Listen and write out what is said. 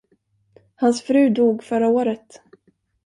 Hans fru dog förra året.